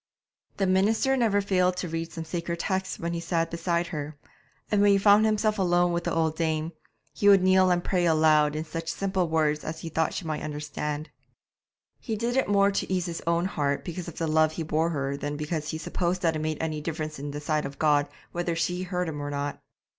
The minister never failed to read some sacred texts when he sat beside her; and when he found himself alone with the old dame, he would kneel and pray aloud in such simple words as he thought she might understand. He did it more to ease his own heart because of the love he bore her than because he supposed that it made any difference in the sight of God whether she heard him or not.